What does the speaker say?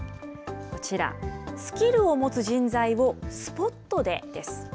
こちら、スキルを持つ人材をスポットでです。